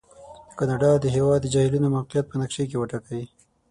د کاناډا د هېواد د جهیلونو موقعیت په نقشې کې وټاکئ.